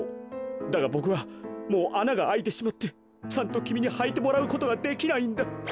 だがボクはもうあながあいてしまってちゃんときみにはいてもらうことができないんだ。